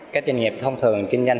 các doanh nghiệp thông thường kinh doanh